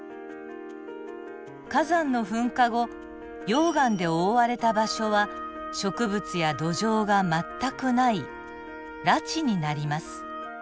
火山の噴火後溶岩で覆われた場所は植物や土壌が全くない裸地になります。